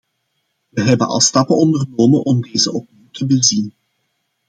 We hebben al stappen ondernomen om deze opnieuw te bezien.